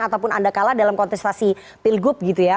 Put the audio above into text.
ataupun anda kalah dalam kontestasi pilgub gitu ya